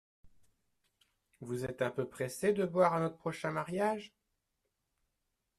Vous êtes un peu pressé de boire à notre prochain mariage…